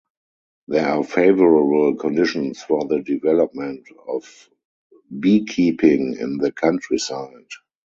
There are favorable conditions for the development of beekeeping in the countryside.